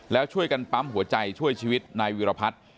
แล้วช่วยกันปั๊มหัวใจช่วยชีวิตนายวิรพัฒน์